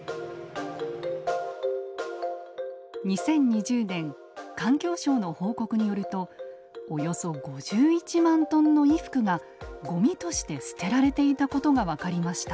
２０２０年環境省の報告によるとおよそ５１万トンの衣服がごみとして捨てられていたことが分かりました。